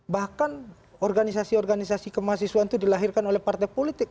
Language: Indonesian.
bahkan organisasi organisasi kemahasiswaan itu dilahirkan oleh partai politik